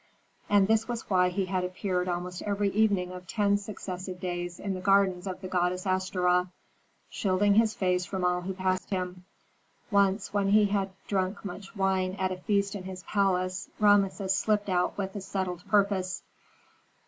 And this was why he had appeared almost every evening of ten successive days in the gardens of the goddess Astaroth, shielding his face from all who passed him. Once, when he had drunk much wine at a feast in his palace, Rameses slipped out with a settled purpose.